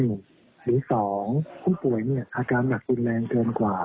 หรือสองผู้ป่วยเนี่ยอาการหนักกินแรงเกินกว่า